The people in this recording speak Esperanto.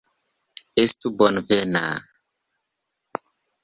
Estu bonvena!